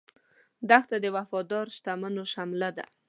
دښته د وفادار شتمنو شمله ده.